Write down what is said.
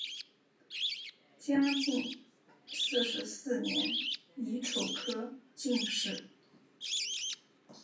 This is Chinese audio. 嘉靖四十四年乙丑科进士。